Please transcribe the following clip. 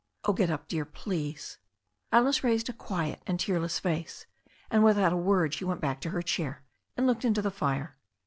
"Oh, get up, dear, please." Alice raised a quiet and tearless face, and without a word she went back to her chair, and looked into the fire.